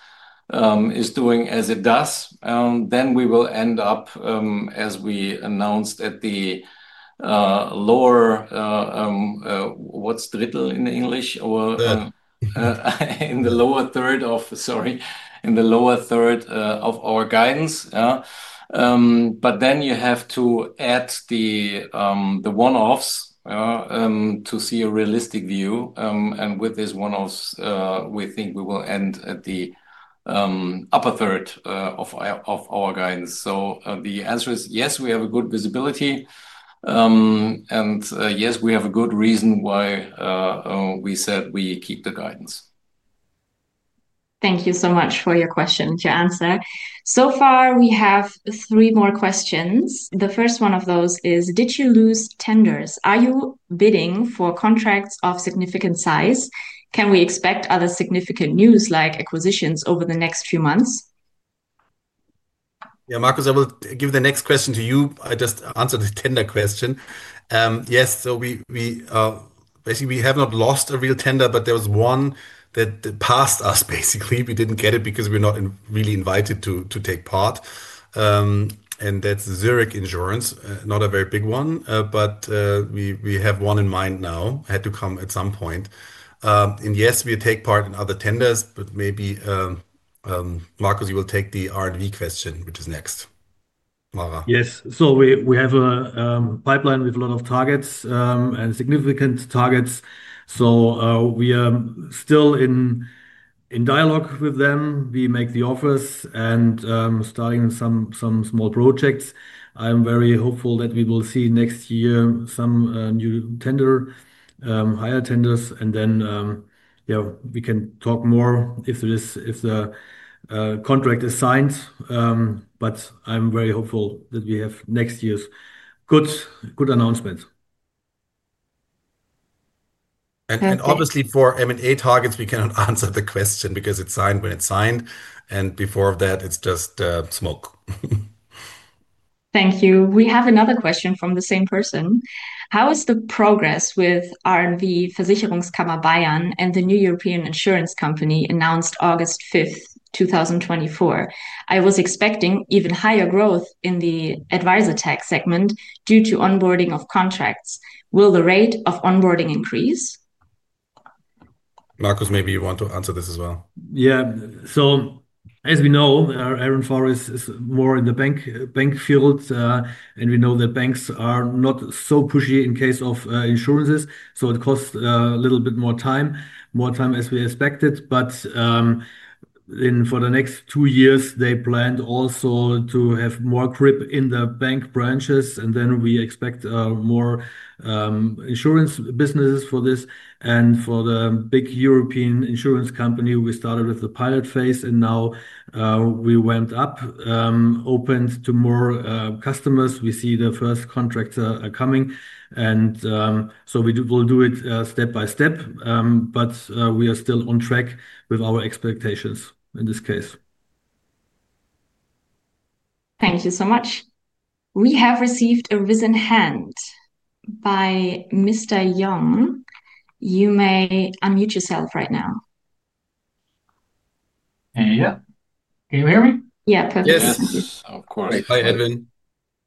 [SPEAKER 3] is doing as it does, we will end up, as we announced, at the lower, what's Drittel in English? In the lower third of, sorry, in the lower third of our guidance. You have to add the one-offs to see a realistic view. With these one-offs, we think we will end at the upper third of our guidance. The answer is yes, we have a good visibility. Yes, we have a good reason why we said we keep the guidance.
[SPEAKER 1] Thank you so much for your question, to answer. So far, we have three more questions. The first one of those is, did you lose tenders? Are you bidding for contracts of significant size? Can we expect other significant news like acquisitions over the next few months?
[SPEAKER 3] Yeah, Marcus, I will give the next question to you. I just answered the tender question. Yes, so basically we have not lost a real tender, but there was one that passed us basically. We did not get it because we were not really invited to take part. And that is Zürich Insurance, not a very big one, but we have one in mind now. Had to come at some point. Yes, we take part in other tenders, but maybe Marcus, you will take the R&D question, which is next.
[SPEAKER 5] Yes, so we have a pipeline with a lot of targets and significant targets. So we are still in dialogue with them. We make the offers and starting some small projects. I'm very hopeful that we will see next year some new tender, higher tenders, and then we can talk more if the contract is signed. I'm very hopeful that we have next year's good announcements.
[SPEAKER 3] Obviously for M&A targets, we cannot answer the question because it's signed when it's signed. Before that, it's just smoke.
[SPEAKER 1] Thank you. We have another question from the same person. How is the progress with R&D Versicherungskammer Bayern and the new European insurance company announced August 5, 2024? I was expecting even higher growth in the Advisortech segment due to onboarding of contracts. Will the rate of onboarding increase?
[SPEAKER 2] Marcus, maybe you want to answer this as well.
[SPEAKER 5] Yeah, so as we know, Iron Forest is more in the bank field. And we know that banks are not so pushy in case of insurances. So it costs a little bit more time, more time as we expected. For the next two years, they planned also to have more grip in the bank branches. Then we expect more insurance businesses for this. For the big European insurance company, we started with the pilot phase and now we went up, opened to more customers. We see the first contractor coming. We will do it step by step. We are still on track with our expectations in this case.
[SPEAKER 1] Thank you so much. We have received a raise in hand by Mr. Yong. You may unmute yourself right now. Yeah. Can you hear me?
[SPEAKER 4] Yeah, perfect.
[SPEAKER 2] Yes, of course.
[SPEAKER 3] Hi, Edwin.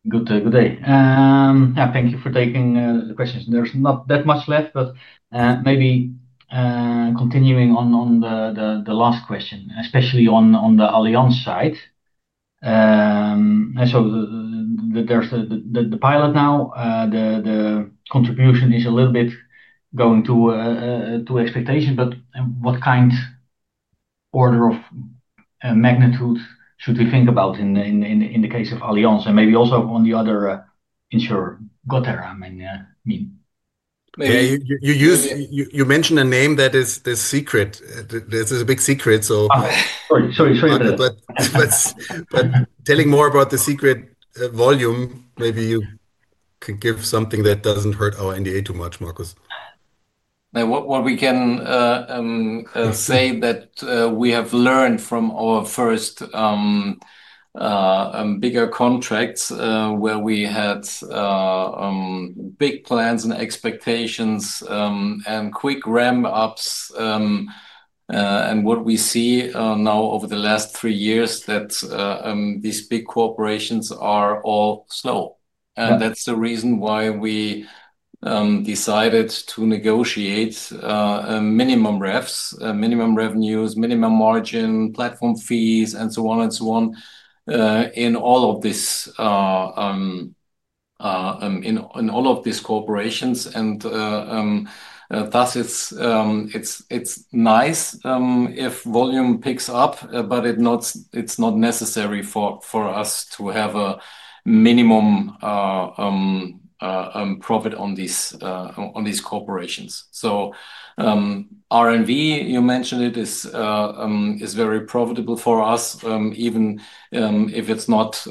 [SPEAKER 3] Good day. Thank you for taking the questions. There's not that much left, but maybe continuing on the last question, especially on the Allianz side. The pilot now, the contribution is a little bit going to expectations, but what kind of order of magnitude should we think about in the case of Allianz and maybe also on the other insurer, Gothaer? I mean. You mentioned a name that is the secret. This is a big secret, so. Sorry, sorry about that. Telling more about the secret volume, maybe you can give something that does not hurt our NDA too much, Marcus.
[SPEAKER 5] What we can say is that we have learned from our first bigger contracts where we had big plans and expectations and quick ramp-ups. What we see now over the last three years is that these big corporations are all slow. That is the reason why we decided to negotiate minimum refs, minimum revenues, minimum margin, platform fees, and so on and so on in all of this, in all of these corporations. Thus it is nice if volume picks up, but it is not necessary for us to have a minimum profit on these corporations. R&D, you mentioned it is very profitable for us, even if it is not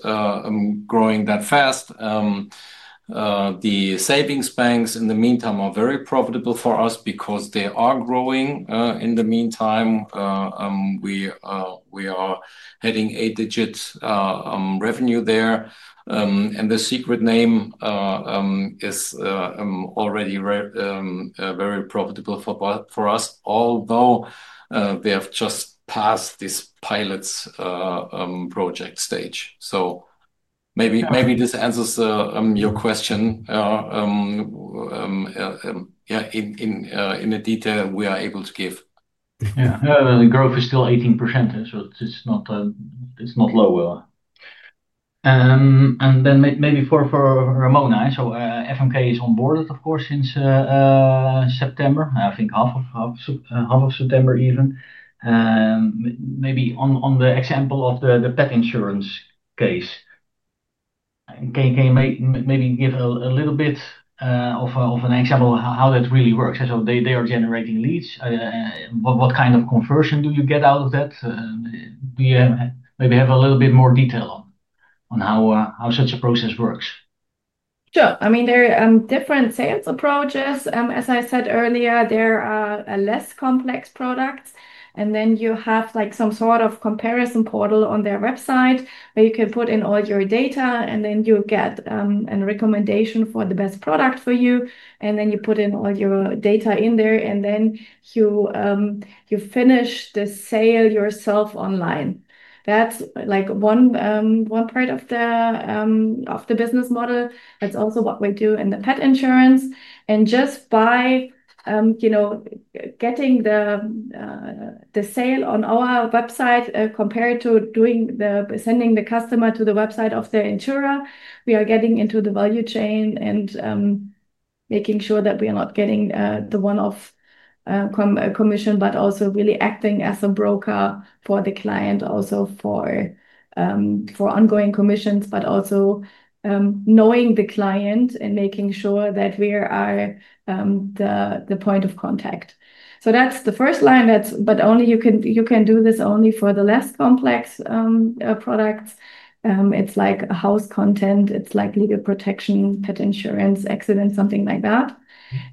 [SPEAKER 5] growing that fast. The savings banks in the meantime are very profitable for us because they are growing in the meantime. We are heading eight-digit revenue there. The secret name is already very profitable for us, although they have just passed this pilot project stage. Maybe this answers your question, yeah, in a detail we are able to give. Yeah, the growth is still 18%, so it's not lower. Maybe for Ramona, FMK is onboarded, of course, since September, I think half of September even. Maybe on the example of the pet insurance case, can you maybe give a little bit of an example of how that really works? They are generating leads. What kind of conversion do you get out of that? Do you maybe have a little bit more detail on how such a process works?
[SPEAKER 4] Sure. I mean, there are different sales approaches. As I said earlier, there are less complex products. You have some sort of comparison portal on their website where you can put in all your data, and then you get a recommendation for the best product for you. You put in all your data in there, and you finish the sale yourself online. That is one part of the business model. That is also what we do in the pet insurance. Just by getting the sale on our website compared to sending the customer to the website of the insurer, we are getting into the value chain and making sure that we are not getting the one-off commission, but also really acting as a broker for the client, also for ongoing commissions, but also knowing the client and making sure that we are the point of contact. That's the first line, but you can do this only for the less complex products. It's like house content, it's like legal protection, pet insurance, accident, something like that.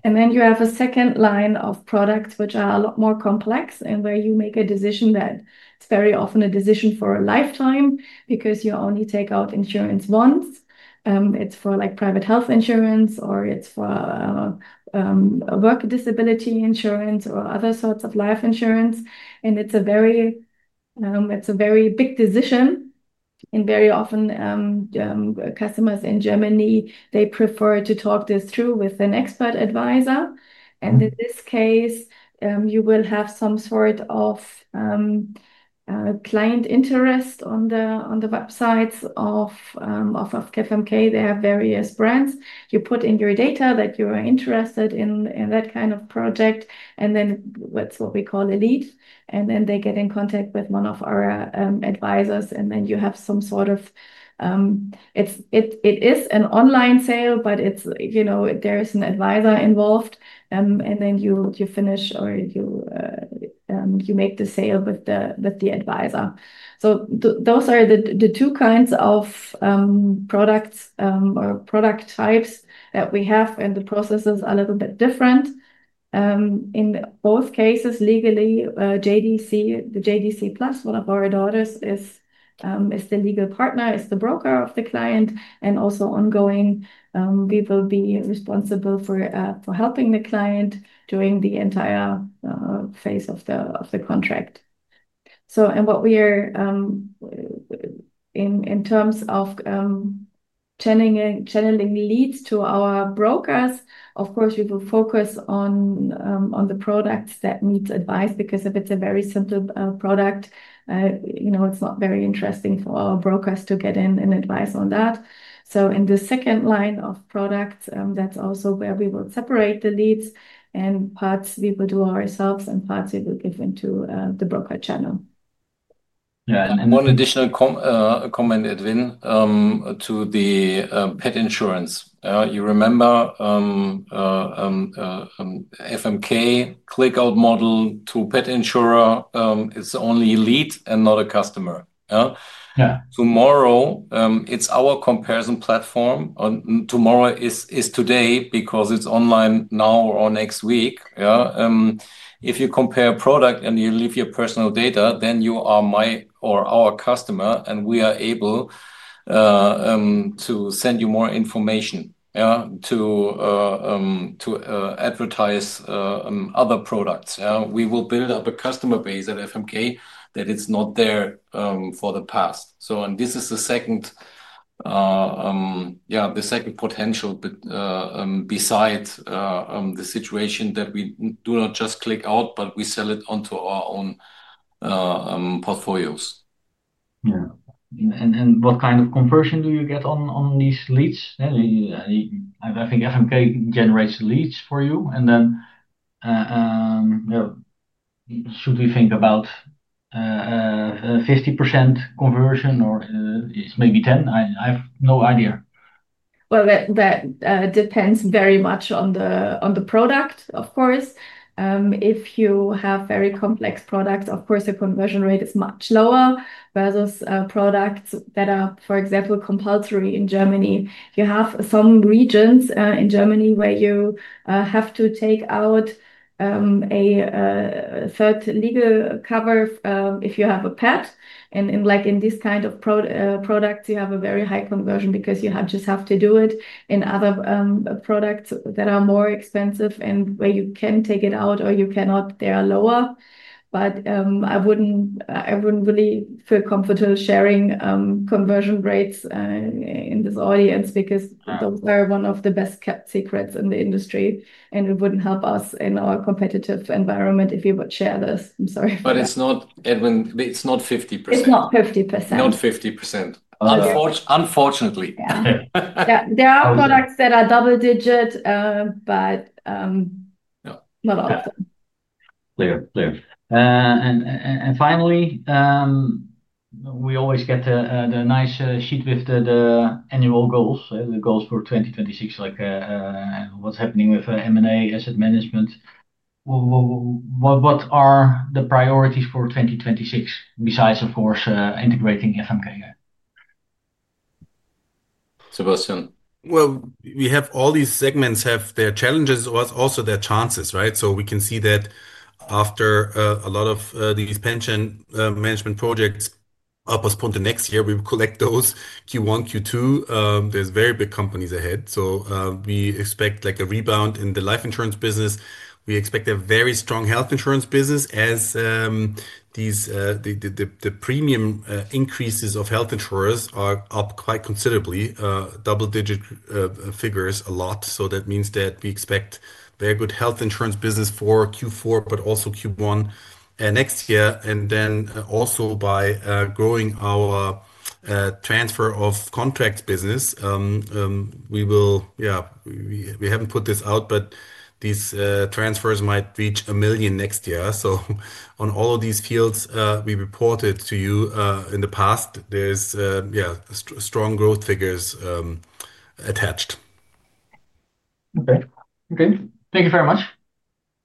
[SPEAKER 4] You have a second line of products which are a lot more complex and where you make a decision that's very often a decision for a lifetime because you only take out insurance once. It's for private health insurance or it's for work disability insurance or other sorts of life insurance. It's a very big decision. Very often customers in Germany, they prefer to talk this through with an expert advisor. In this case, you will have some sort of client interest on the websites of FMK. They have various brands. You put in your data that you are interested in that kind of project, and then that's what we call a lead. They get in contact with one of our advisors. You have some sort of, it is an online sale, but there is an advisor involved. You finish or you make the sale with the advisor. Those are the two kinds of products or product types that we have, and the processes are a little bit different. In both cases, legally, the JDC Plus, one of our daughters, is the legal partner, is the broker of the client. Also, ongoing, we will be responsible for helping the client during the entire phase of the contract. What we are in terms of channeling leads to our brokers, of course, we will focus on the products that need advice because if it is a very simple product, it is not very interesting for our brokers to get in advice on that. In the second line of products, that's also where we will separate the leads. Parts we will do ourselves and parts we will give into the broker channel.
[SPEAKER 3] Yeah, and one additional comment, Edwin, to the pet insurance. You remember FMK, click-out model to pet insurer, it's only lead and not a customer. Tomorrow, it's our comparison platform. Tomorrow is today because it's online now or next week. If you compare a product and you leave your personal data, then you are my or our customer, and we are able to send you more information to advertise other products. We will build up a customer base at FMK that is not there for the past. This is the second, yeah, the second potential beside the situation that we do not just click out, but we sell it onto our own portfolios. Yeah. What kind of conversion do you get on these leads? I think FMK generates leads for you. Should we think about 50% conversion or maybe 10%? I have no idea.
[SPEAKER 4] That depends very much on the product, of course. If you have very complex products, of course, the conversion rate is much lower versus products that are, for example, compulsory in Germany. You have some regions in Germany where you have to take out a third legal cover if you have a pet. In these kinds of products, you have a very high conversion because you just have to do it. In other products that are more expensive and where you can take it out or you cannot, they are lower. I would not really feel comfortable sharing conversion rates in this audience because those are one of the best kept secrets in the industry. It would not help us in our competitive environment if you would share this. I'm sorry.
[SPEAKER 3] It is not, Edwin, it is not 50%.
[SPEAKER 4] It's not 50%.
[SPEAKER 3] Not 50%. Unfortunately.
[SPEAKER 4] Yeah. There are products that are double-digit, but not often. Clear. Finally, we always get the nice sheet with the annual goals, the goals for 2026, like what's happening with M&A asset management. What are the priorities for 2026 besides, of course, integrating FMK?
[SPEAKER 3] Sebastian.
[SPEAKER 2] We have all these segments have their challenges or also their chances, right? We can see that after a lot of these pension management projects are postponed to next year, we will collect those Q1, Q2. There are very big companies ahead. We expect a rebound in the life insurance business. We expect a very strong health insurance business as the premium increases of health insurers are up quite considerably, double-digit figures a lot. That means that we expect very good health insurance business for Q4, but also Q1 next year. Also, by growing our transfer of contract business, we will, yeah, we have not put this out, but these transfers might reach 1 million next year. On all of these fields we reported to you in the past, there are strong growth figures attached. Okay. Thank you very much.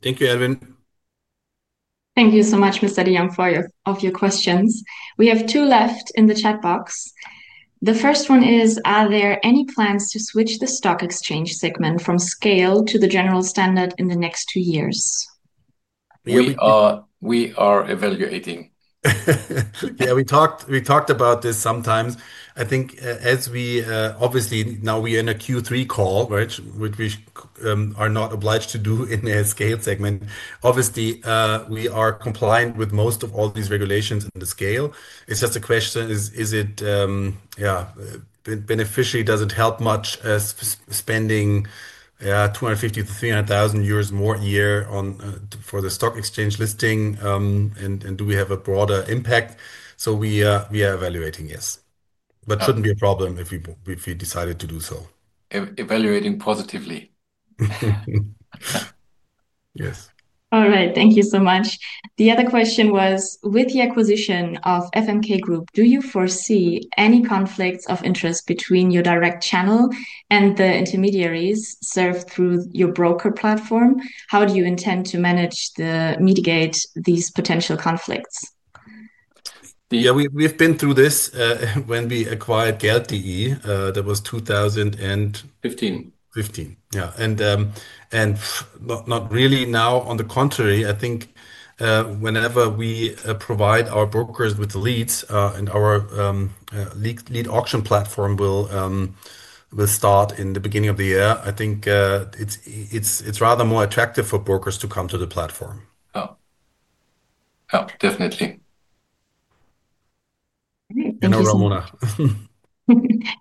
[SPEAKER 3] Thank you, Edwin.
[SPEAKER 1] Thank you so much, Mr. Liang, for your questions. We have two left in the chat box. The first one is, are there any plans to switch the stock exchange segment from Scale to the General Standard in the next two years?
[SPEAKER 3] We are evaluating.
[SPEAKER 2] Yeah, we talked about this sometimes. I think as we obviously now we are in a Q3 call, which we are not obliged to do in a scale segment. Obviously, we are compliant with most of all these regulations in the scale. It's just a question, is it beneficially, does it help much spending 250,000-300,000 euros more a year for the stock exchange listing, and do we have a broader impact? We are evaluating, yes. It should not be a problem if we decided to do so.
[SPEAKER 3] Evaluating positively.
[SPEAKER 2] Yes.
[SPEAKER 1] All right. Thank you so much. The other question was, with the acquisition of FMK Group, do you foresee any conflicts of interest between your direct channel and the intermediaries served through your broker platform? How do you intend to manage to mitigate these potential conflicts?
[SPEAKER 3] Yeah, we've been through this when we acquired Geld.de. That was 2000.
[SPEAKER 2] 15.
[SPEAKER 3] Yeah. Not really now, on the contrary, I think whenever we provide our brokers with the leads and our lead auction platform will start in the beginning of the year, I think it is rather more attractive for brokers to come to the platform.
[SPEAKER 2] Oh, definitely.
[SPEAKER 3] And Ramona.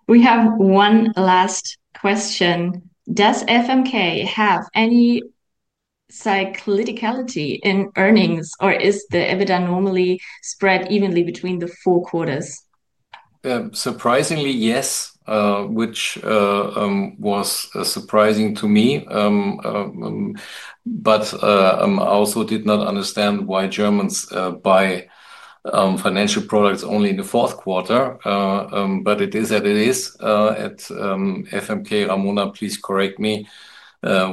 [SPEAKER 1] We have one last question. Does FMK have any cyclicality in earnings, or is the EBITDA normally spread evenly between the four quarters?
[SPEAKER 3] Surprisingly, yes, which was surprising to me. I also did not understand why Germans buy financial products only in the fourth quarter. It is that it is. At FMK, Ramona, please correct me.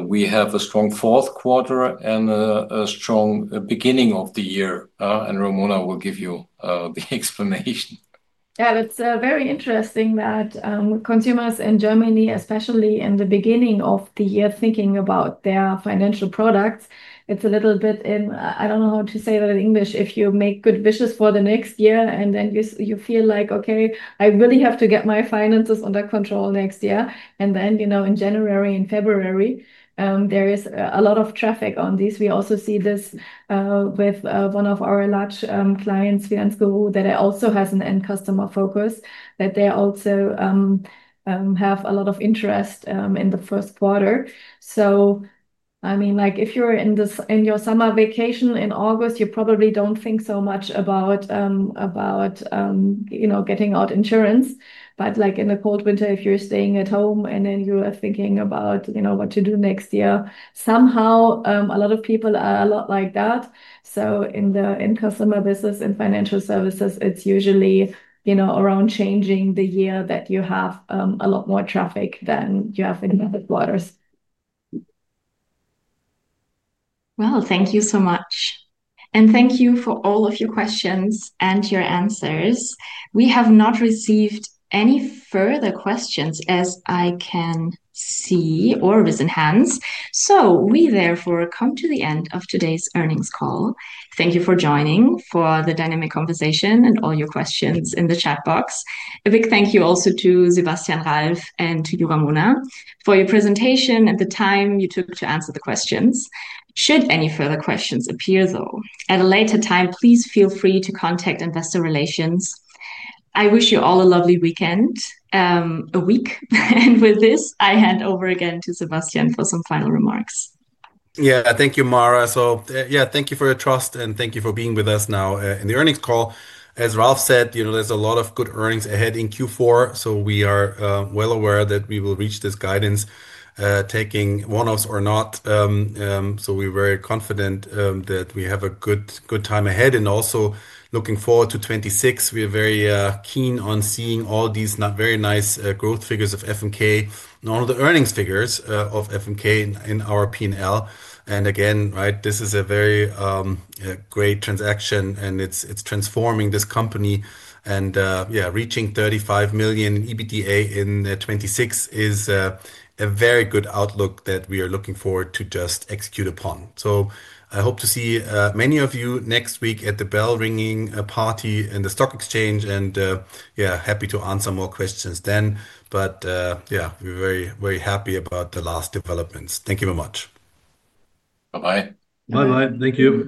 [SPEAKER 3] We have a strong fourth quarter and a strong beginning of the year. Ramona will give you the explanation.
[SPEAKER 4] Yeah, it's very interesting that consumers in Germany, especially in the beginning of the year, are thinking about their financial products. It's a little bit in, I don't know how to say that in English, if you make good wishes for the next year, and then you feel like, okay, I really have to get my finances under control next year. In January and February, there is a lot of traffic on these. We also see this with one of our large clients, Finanzguru, that also has an end customer focus, that they also have a lot of interest in the first quarter. I mean, if you're in your summer vacation in August, you probably don't think so much about getting out insurance. In the cold winter, if you're staying at home and then you are thinking about what to do next year, somehow a lot of people are a lot like that. In the end customer business and financial services, it's usually around changing the year that you have a lot more traffic than you have in the other quarters.
[SPEAKER 1] Thank you so much. Thank you for all of your questions and your answers. We have not received any further questions, as I can see, or raise hands. We therefore come to the end of today's earnings call. Thank you for joining for the dynamic conversation and all your questions in the chat box. A big thank you also to Sebastian, Ralf, and to you, Ramona, for your presentation and the time you took to answer the questions. Should any further questions appear, though, at a later time, please feel free to contact Investor Relations. I wish you all a lovely weekend, a week. With this, I hand over again to Sebastian for some final remarks.
[SPEAKER 2] Yeah, thank you, Mara. Yeah, thank you for your trust and thank you for being with us now in the earnings call. As Ralf said, there is a lot of good earnings ahead in Q4. We are well aware that we will reach this guidance, taking one-offs or not. We are very confident that we have a good time ahead and also looking forward to 2026. We are very keen on seeing all these very nice growth figures of FMK and all the earnings figures of FMK in our P&L. Again, this is a very great transaction, and it is transforming this company. Reaching 35 million EBITDA in 2026 is a very good outlook that we are looking forward to just execute upon. I hope to see many of you next week at the bell ringing party in the stock exchange. Yeah, happy to answer more questions then. Yeah, we're very, very happy about the last developments. Thank you very much. Bye-bye.
[SPEAKER 3] Bye-bye. Thank you.